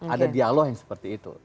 ada dialog yang seperti itu